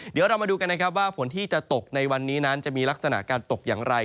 เดี๋ยวเรามาดูกันนะครับว่าฝนที่จะตกในวันนี้นั้นจะมีลักษณะการตกอย่างไร